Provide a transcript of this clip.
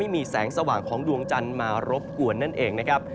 มีแสงสว่างของดวงจันทร์มารบกวนนั่นเองนะครับ